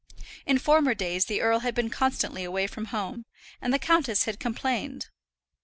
In former days the earl had been constantly away from home, and the countess had complained.